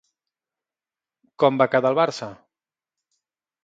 Com va quedar el barça?